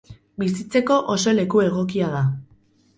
Bizitzeko oso leku egokia da.